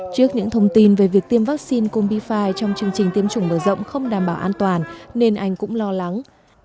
trước những thông tin về việc tiêm vaccine combifi trong chương trình tiêm chủng mở rộng không đảm bảo an toàn nên anh cũng lo lắng